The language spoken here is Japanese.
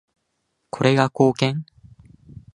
これが貢献？